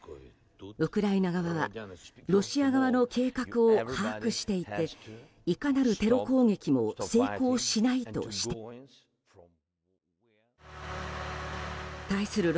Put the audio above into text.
ウクライナ側はロシア側の計画を把握していていかなるテロ攻撃も成功しないとしています。